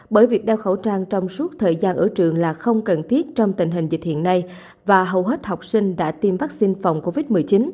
bởi việc đeo khẩu trang trong suốt thời gian ở trường là không cần thiết trong tình hình dịch hiện nay và hầu hết học sinh đã tiêm vaccine phòng covid một mươi chín